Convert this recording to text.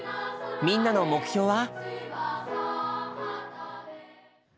みんなの目標は？